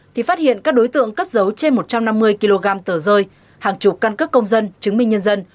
thì phát hiện các đối tượng cất dấu trên một trăm năm mươi kg tờ rơi hàng chục căn cức công dân chứng minh nhân dân